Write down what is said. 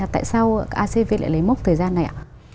tại sao acv lại lấy mốc thời gian này ạ